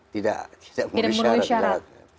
tidak tidak memenuhi syarat